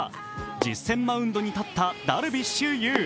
実戦マウンドに立ったダルビッシュ有。